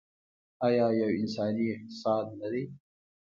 آیا یو انساني اقتصاد نه دی؟